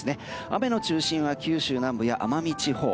雨の中心は九州南部や奄美地方。